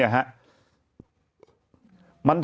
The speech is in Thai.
ออกไป